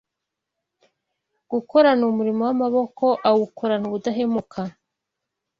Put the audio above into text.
gukora umurimo w’amaboko awukorana ubudahemuka